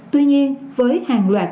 tuy nhiên với hàng loạt